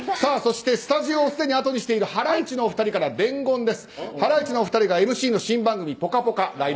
スタジオをあとにしているハライチのお二人から伝言です。